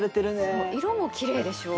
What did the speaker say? そう色もきれいでしょう？